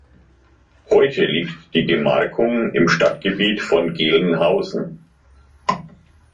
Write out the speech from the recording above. Heute liegt die Gemarkung im Stadtgebiet von Gelnhausen.